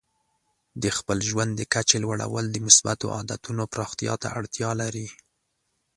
د خپل ژوند د کچې لوړول د مثبتو عادتونو پراختیا ته اړتیا لري.